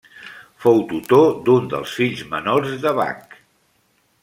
Fou tutor d'un dels fills menors de Bach.